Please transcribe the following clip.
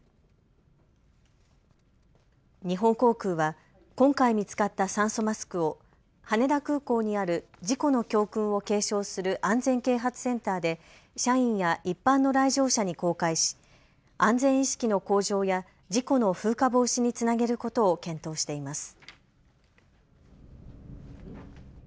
日本航空は今回見つかった酸素マスクを羽田空港にある事故の教訓を継承する安全啓発センターで社員や一般の来場者に公開し安全意識の向上や事故の風化防止につなげることを検討しています。